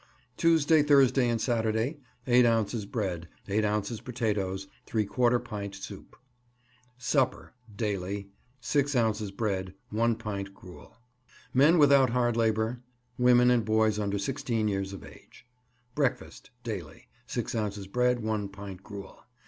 Tuesday, Thursday and Saturday 8 ounces bread, 8 ounces potatoes, ¾ pint soup. Supper Daily 6 ounces bread, 1 pint gruel. MEN WITHOUT HARD LABOUR, WOMEN, AND BOYS UNDER SIXTEEN YEARS OF AGE. Breakfast Daily 6 ounces bread, 1 pint gruel.